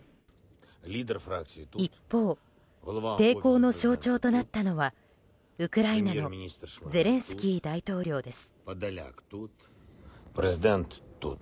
一方、抵抗の象徴となったのはウクライナのゼレンスキー大統領です。